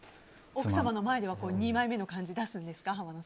奥様の前では二枚目の感じ出すんですか？